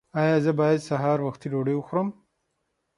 ایا زه باید سهار وختي ډوډۍ وخورم؟